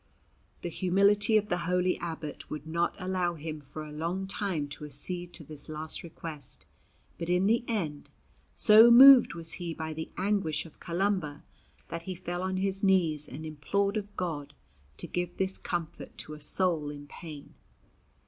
The humility of the holy abbot would not allow him for a long time to accede to this last request; but in the end, so moved was he by the anguish of Columba, that he fell on his knees and implored of God to give this comfort to a soul in pain.